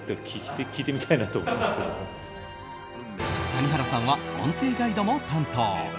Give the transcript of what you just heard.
谷原さんは音声ガイドも担当。